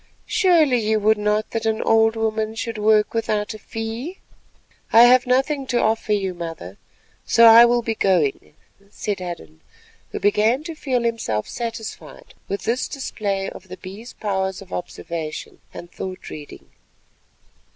"Surely you would not that an old woman should work without a fee?" "I have none to offer you, mother, so I will be going," said Hadden, who began to feel himself satisfied with this display of the Bee's powers of observation and thought reading.